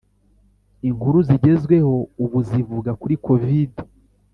inkuru zigezweho ubu zivuga kuri covid